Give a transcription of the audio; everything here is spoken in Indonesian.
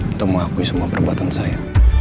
untuk mengakui semua perbuatan saya